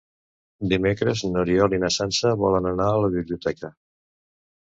Dimecres n'Oriol i na Sança volen anar a la biblioteca.